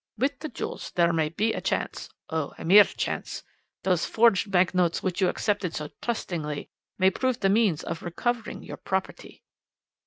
"'With the jewels there may be a chance oh! a mere chance. These forged bank notes, which you accepted so trustingly, may prove the means of recovering your property.'